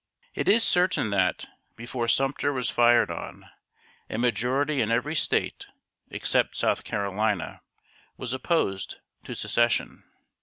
It is certain that, before Sumter was fired on, a majority in every State, except South Carolina, was opposed to Secession.